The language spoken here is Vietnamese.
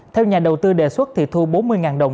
theo nhà đầu tư đề xuất thì thu bốn mươi đồng